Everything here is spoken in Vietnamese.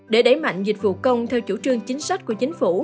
để đẩy mạnh dịch vụ công theo chủ trương chính sách của chính phủ